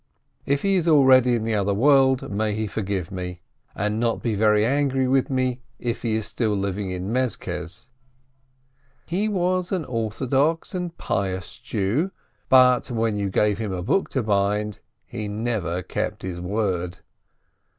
If he is already in the other world, may he forgive me — and not be very angry with me, if he is still living in Mezkez ! He was an orthodox and pious Jew, but when you gave him a book to bind, he never kept his word.